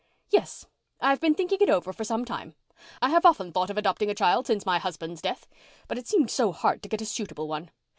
"Yes. I've been thinking it over for some time. I have often thought of adopting a child, since my husband's death. But it seemed so hard to get a suitable one.